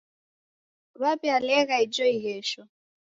Waw'ialegha ijo ighesho.